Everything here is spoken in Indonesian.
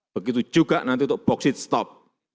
begitu juga nanti untuk boksit stop